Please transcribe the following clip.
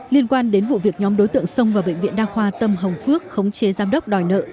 liên quan đến vụ việc nhóm đối tượng sông vào bệnh viện đa khoa tâm hồng phước khống chế giám đốc đòi nợ